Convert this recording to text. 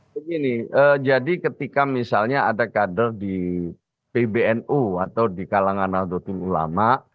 begini jadi ketika misalnya ada kader di pbnu atau di kalangan nahdlatul ulama